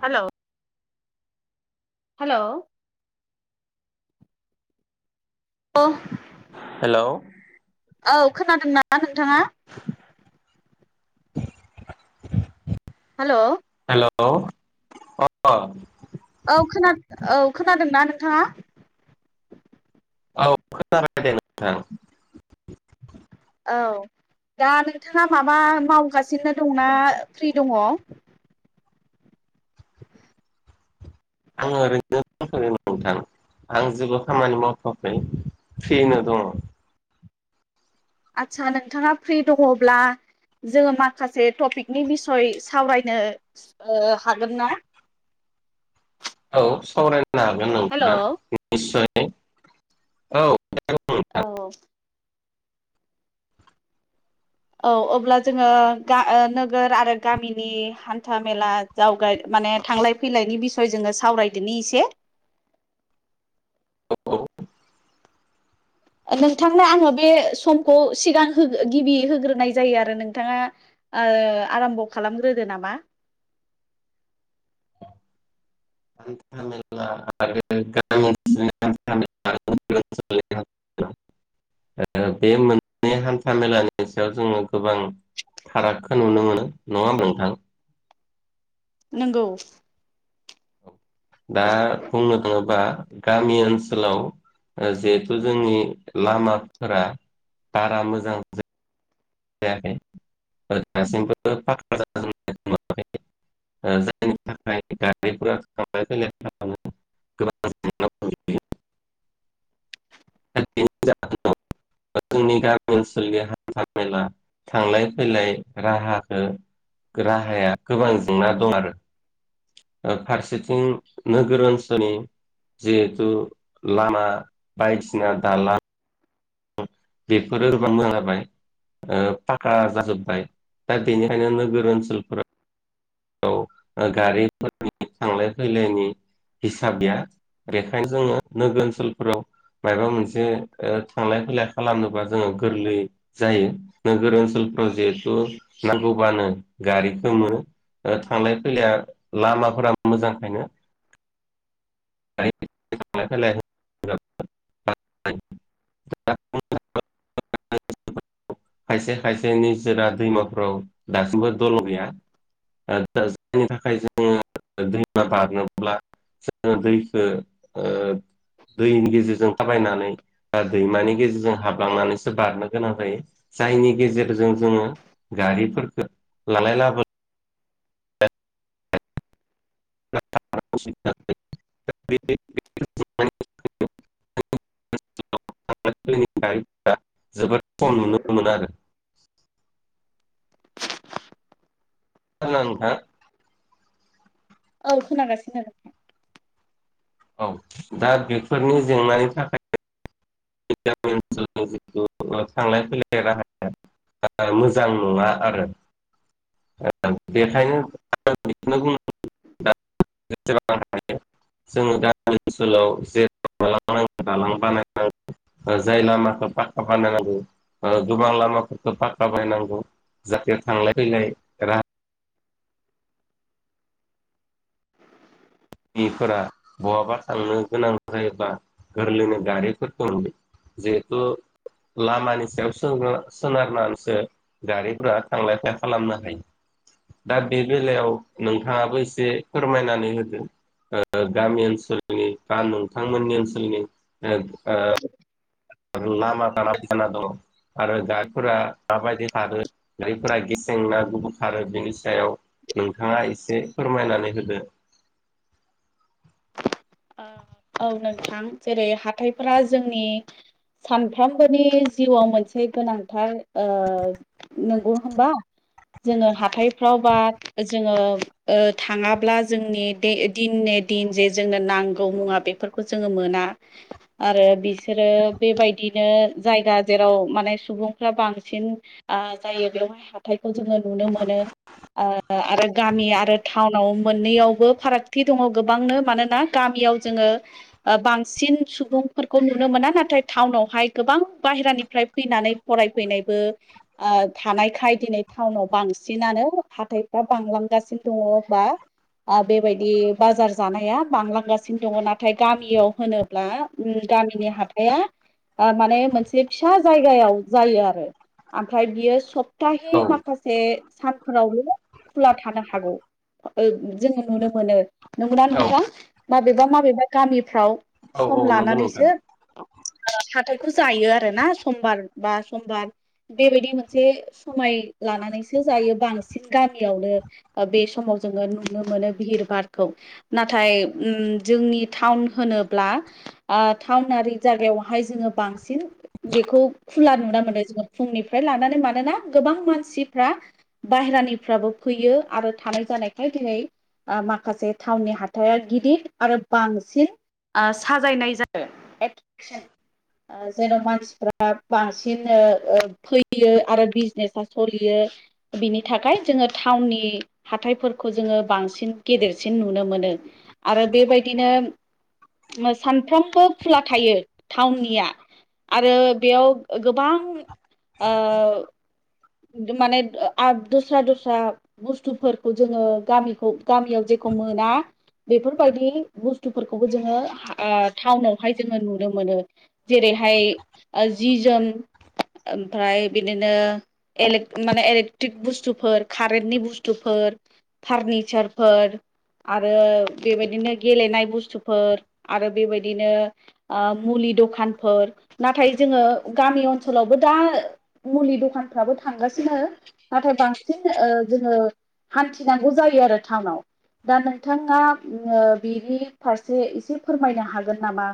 हेल' हेल' औ। हेल' औ खोनादोंना नोंथाङा? हेल'। हेल' औ। औ खोनादों औ खोनादोंना नोंथाङा? औ खोनाबाय दे नोंथां। औ। दा नोंथाङा माबा मावगासिनो दंना फ्रि दङ? आङो ओरैनो [unintelligible] नोंथां। आं जेबो खामानि मावथ'वाखै फ्रिनो दङ' आदसा नोंथाङा फ्रि दङब्ला जोङो माखासे टपिकनि बिसय सावरायनो हागोन ना [inaudible] औ सावरायनो हागोन हेलौ नोंथाङा निस्य औ औ औ अब्ला जोङो नोगोर आरो गामिनि हान्था मेला जावगाय माने थांलाय फैलायनि बिसय जोङो सावरायदोनि एसे नोंथांनो आङो बे समखौ सिगां गिबि होग्रोनाय जायो आरो नोंथाङा आराम्भ' खालामग्रोदो नामा [unintelligible] [unintelligible] फारागखौ नुनो मोनो नङाहोमबा नोंथां नोंगौ दा बुंनो थाङोबा गामि ओनसोलाव जिहेथु जोंनि लामाफोरा बारा मोजां जाया जायाखै दासिमबो फाख [inaudible] जायनि थाखाय गारिफोरा [unintelligible] [unintelligible] मला थांलाय फैलाय राहाखौ राहाया गोबां जेंना दं आरो फारसेथिं नोगोर ओनसोलनि जिहेथु लामा बायदिसिना दाला बेखौ मोजां जाबाय फाखा जाजोबबाय दा बेनिखायनो नोगोर ओनसोलफोराव गारिफोरनि थांलाय फैलायनि हिसाब गैया बेखायनो जोङो नोगोर ओनसोलफोराव माबा मोनसे थांलाय फाय खालामनोबा जोङो गोरलै जायो नोगोर ओनसोलफ्राव जिहेथु नांगौबानो गारि [unintelligible] थांलाय फैलाया लामाफोरा मोजांखायनो [unintelligible] [unintelligible] [unintelligible] खायसे खायसे निजोरा दैमाफ्राव दासिमबो दलं गैया जायनि थाखाय जोङो दैमा बारनोब्ला जों दैखो दैनि गेजेरजों थाबायनानै बा दैमानि गेजेरजों हाबलांनानैसो बारनो गोनां जायो जायनि गेजेरजों जोङो गारिफोरखौ लांलाय लाबो [unintelligible] [unintelligible] [unintelligible] औ खोनागासिनो औ दा बेफोरनि जेंनानि थाखाय [unintelligible] [unintelligible] जोंङो गामि ओनसोलाव जेराव [unintelligible] [unintelligible] जाहाथे थांलाय फैलाय राहा गिफोरा बहाबा थांनो गोनां जायोबा गोरलैनो गारिफोरखौ नु जिहेतु लामानि सायाव सो-सोनारनानैसो गारिफोरा थांलाय फायलाय खालामनो हायो। दा बे बेलायाव नोंथाङाबो एसे फोरमायनानै होदों। ओ गामि ओनसोलनि बा नोंथांमोननि ओनसोलनि ओ [unintelligible] आरो जायफोरा माबायदि खारो जारिफोरा गेसें ना गुबुन खारो बेनि सायाव नोंथाङा एसे फोरमायनानै होदो। औ नोंथां जेरै हाथायफोरा जोंनि सानफ्रोमबोनि जिउआव मोनसे गोनांथार ओ नंगौ होनबा जोङो हाथायफ्राव बा जोङो ओ थाङाब्ला जोंनि दे दिनि नि जे जोंनो नां गौ मुवा बेफोरखौ जोङो मोना आरो बिसोरो बेबायदिनो जायगा जेराव माने सुबुंफ्रा बांसिन ओ जायो बेवहाय हाथाय जोङो नुनो मोनो ओ आरो गामि आरो टाउनाव मोननैयावबो फारागथि दङ गोबांनो मानोना गामियाव जोङो ओ बांसिन सुबुंफोरखौ नुनो मोना नाथाय टाउनावहाय गोबां बाहेरानिफ्राय फैनानै फरायफैनायबो ओ थानायखाय दिनै टाउनाव बांसिनानो हाथथायफ्रा बांलांगासिनो दङ होनबा बेबायदि बाजार जानाया बां लां गासिनो दङ नाथाय गामियाव होनोब्ला गामिनि हाथाइया माने मोनसे फिसा जायगायाव जायो आरो ओमफ्राय बियो सब औ हि माखासे सानफ्रावबो खुला थानो हागौ जोङो नुनो मोनो नंगौना नोंथां औ माबेबा माबेबा गामिफ्राव औ सम नंगौ नोंथां लानानैसो हाथायखौ जायो आरो ना समबार बा समबार बेबायदि मोनसे समाय लानानैसो जायो बांसिन गामियावनो बे समाव जोङो नुनो मोनो भिहिर बारखौ नाथाय उम जोंनि टाउन होनोब्ला ओ टाउनारि जायगायावहाय जोङो बांसिन बेखौ खुला नुना मोनो जोङो फुंनिफ्राय लानानै मानोना गोबां मानसिफ्रा बाहेरानिफ्राबो फैयो आरो थानाय जानायखाय दिनै माखासे थावनि हाथाइ आरो बांसिन ओ साजायनाय जायो जेन' मानसिफ्रा बांसिन ओ फैयो आरो बिजनेसा सलियो बिनि थाखाय जोङो टाउननि हाथाइफोरखौ जोङो बांसिन गेदेरसिन नुनो मोनो। आरो बेबायदिनो सानफ्रोमबो खुला थायो टाउननिया आरो बेयाव गोबां ओ माने ओ दस्रा दस्रा बुस्थुफोरखौ जोङो गामिखौ गामियाव इखौ मोना बेफोरबायदि बुस्थुफोरखौबो जोङो ओ टाउनावहाय जोङो नुनो मोनो जेरै हाय ओ जि जोम ओमफ्राय बिदिनो इले माने इलेक्ट्रिक बुस्थुफोर कारेन्टनि बुस्थुफोर फारनिचियार फोर आरो बेबायदिनो गेलेनाय बुस्थुफोर आरो बेबायदिनो ओ मुलि दखानफोर नाथाय जोङो गामि ओनसोलावबो दा मुलि दखानफ्राबो थांगासिनो नाथाय बांसिन ओ जोङो हान्थिनांगौ जायो आरो टाउनाव दा नोंथांङा ओ बिनि फारसे एसे फोरमायनो हागोन नामा?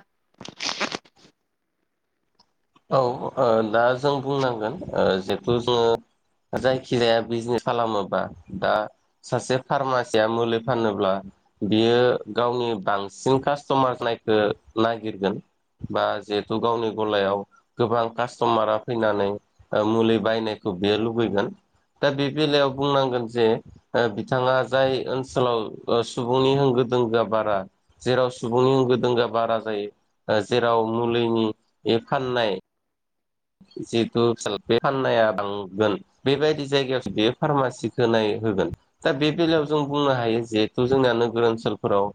औ ओ दा जों बुंनांगोन जिहेथु जोङो जायखिजाया बिजनेस खालामोबा दा सासे फार्मासिया मुलि फानोब्ला बियो गावनि बांसिन कास्टमार नायखो नागिरगोन बा जिहेथु गावनि गलायाव गोबां कास्टमारा फैनानै मुलि बायनायखौ बेयो लुबैगोन दा बे बेलायाव बुंनांगोन जे बिथांङा जाय ओनसोलाव सुबुंनि होंगो दोंगोआ बारा जेराव सुबुंनि होंगो दोंगोआ बारा जायो जेराव मुलिनि फाननाय जिहेथु फिसा बे फाननाया बांगोन बेबायदि जायगायावसो बेयो फार्मासिखो होनाय होगोन दा बेलायाव जों बुंनो हायो जिहेथु जोंना नोगोर ओनसोलफोराव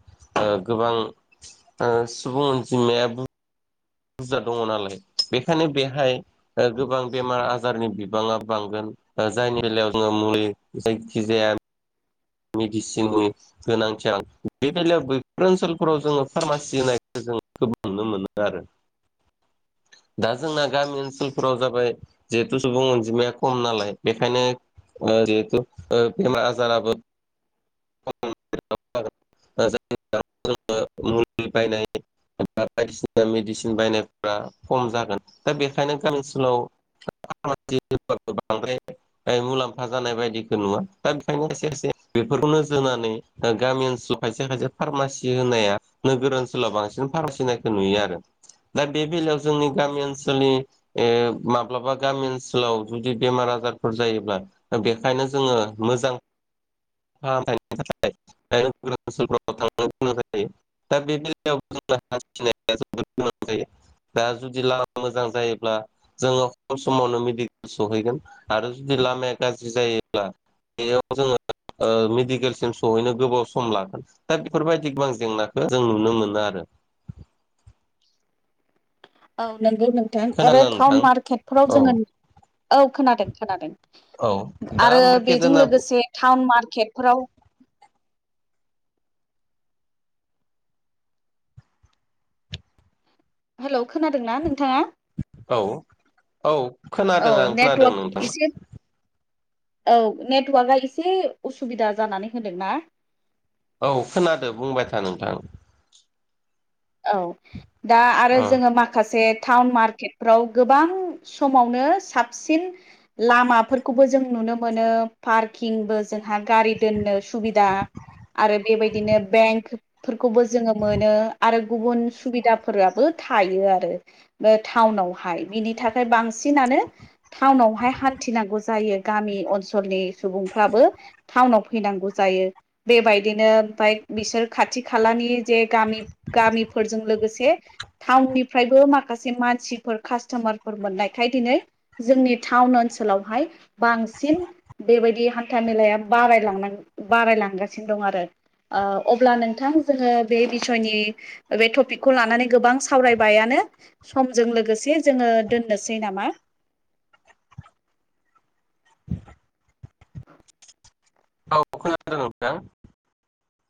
गोबां ओ सुबुं अनजिमाया बुरजा दंङ नालाय बेखायनो बेहाय गोबां बेमार आजारनि बिबा़ङा बांगोन जायनि बेलायाव जोङो मुलि जायखि जाया मेडिसिननि गोनांथि आं बे बेलायाव बैफोर ओनसोलफोराव जोङो फार्मासि होनाय जों गोबां नुनो मोनो आरो [inaudible] दा जोंना गामि ओनसोलफोराव जाबाय जिहेथु सुबुं अनजिमाया खम नालाय बेखायनो जिहेथु ओ बेमार आजाराबो खम [unintelligible] ओ मुलि बायनाय बा बायदिसिना मेडिसिन बायनायफ्रा खम जागोन दा बेखायनो गामि ओनसोलाव [unintelligible] बांद्राय मुलाम्फा जानाय बायदिखौ नुवा दा बेखायनो एसे एसे बेफोरखौ नोजोर होनानै गामि ओनसोलाव खायसे खायसे फार्मासि होनाया नोगोर ओनसोलाव बांसिन फार्मासि होनायखौ नुयो आरो दा बे बेलायाव जोंनि गामि ओनसोलनि ओ माब्लाबा गामि ओनसोलाव जुदि बेमार आजारफोर जायोब्ला बेखायनो जोङो मोजां [unintelligible] [unintelligible] दा जुदि लामा मोजां जायोब्ला जोङो खम समावनो मेडिकेल सहैगोन आरो जुदि लामाया गाज्रि जायोब्ला बेयाव जोङो ओ मेडिकेलसिम सहैनो गोबाव सम लागोन दा बेफोरबायदि गोबां जेंनाखौ जों नुनो मोनो आरो [inaudible] औ नंगौ नोंथां आरो खोनादोंना टाउन नोंथां मार्केटफोराव औ जोङो औ खोनादों खोनादों औ दा आरो मार्केट बेजों होनना लोगोसे टाउन मारक खेटफोराव हेलौ खोनादों ना नों थांङा औ औ औ खोनादों आं खोनादों नेटवर्क नोंथां एसे औ नेटवार्कआ एसे उसुबिदा जानानै होदोंना औ खोनादों बुंबाय था नोंथां औ दा आरो जोङो माखासे टाउन मार्केटफ्राव गोबां समावनो साबसिन लामाफोरखौबो जों नु नो मोनो पारकिंबो जोंहा गारि दोननो सुबिदा आरो बेबायदिनो बेंक फोरफोरखौबो जोङो मोनो आरो गुबुन सुबिदाफोराबो थायो आरो बे टाउनावहाय बिनि थाखाय बांसिन बांसिनानो टाउनावहाय हान्थिनांगौ जायो गामि ओनसोलनि सुबुंफ्राबो था टाउनाव फैनांगौ जायो बेबायदिनो ओमफ्राय बिसोर खाथि खालानि जे गामि गामिफोरजों लोगोसे टाउननिफ्रायबो माखासे मानसिफोर कास्टमारफोर मोननाय थायो दिनै जोंनि टाउन ओनसोलावहाय बांसिन बेबायदि हान्था मेलाया बाङो बारायल बारायलांगासिनो दं आरो अब्ला नोंथां जोङो बे बिसयनि बे टपिकखौ लानानै गोबां सावरायबायानो समजों लोगोसे जोङो दोननोसै नामा [inaudible] औ खोनादों नोंथां